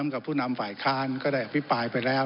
กับผู้นำฝ่ายค้านก็ได้อภิปรายไปแล้ว